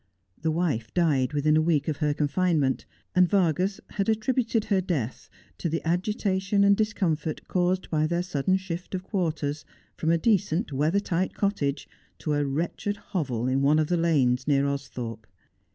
The wife died within a week of her confinement and Vargas had attributed her death to the agitation and discomfort caused by their sudden shift of quarters, from a decent weather tight cottage to a wretched hovel in one of the lanes near Austhorpe.